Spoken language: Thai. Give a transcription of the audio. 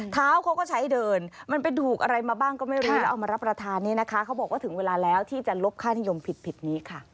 เท้าเขาก็ใช้เดิน